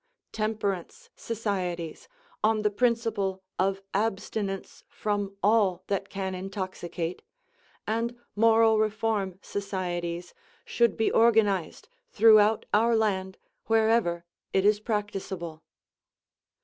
Temperance Societies, on the principle of abstinence from all that can intoxicate, and Moral Reform Societies should be organized throughout our land wherever it is practicable.